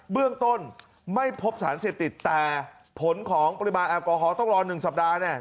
เบื้องต้นไม่พบสารเสพติดแต่ผลของปริมาณแอลกอฮอลต้องรอ๑สัปดาห์แน่